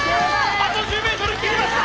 あと１０メートル切りました！